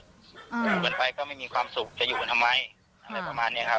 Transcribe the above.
อยู่กันไปก็ไม่มีความสุขจะอยู่กันทำไมอะไรประมาณนี้ครับ